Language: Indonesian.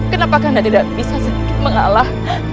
kenapa karena tidak bisa sedikit mengalah